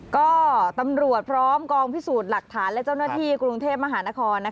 ก็ตำรวจพร้อมกองพิสูจน์หลักฐานและเจ้าหน้าที่กรุงเทพมหานคร